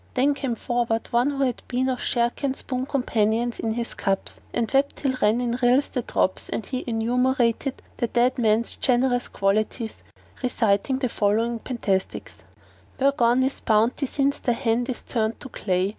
Then came forward one who had been of Sharrkan's boon companions in his cups and he wept till ran in rills the drops, and he enumerated the dead man's generous qualities, reciting the following pentastichs, "Where gone is Bounty since thy hand is turned to clay?